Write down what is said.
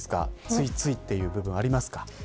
ついついという部分ありますか。